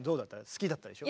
好きだったでしょ？